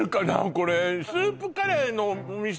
これスープカレーの店